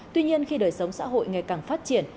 tuy nhiên khi đời sống xã hội ngày càng phát triển